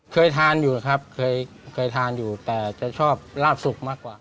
เคยทานอยู่นะครับแต่จะชอบลาบสุขมากกว่า